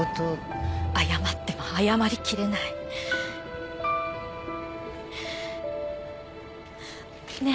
謝っても謝りきれない。ねえ？